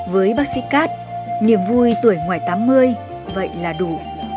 với bác sĩ cad niềm vui tuổi ngoài tám mươi vậy là đủ